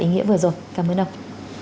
ý nghĩa vừa rồi cảm ơn ông